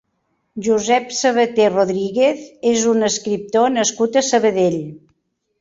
Josep Sabater Rodríguez és un escriptor nascut a Sabadell.